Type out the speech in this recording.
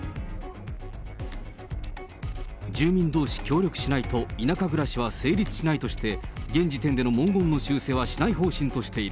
住民どうし協力しないと、田舎暮らしは成立しないとして、現時点での文言の修正はしない方針としている。